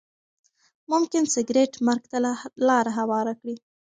ممکن سګریټ مرګ ته لاره هواره کړي.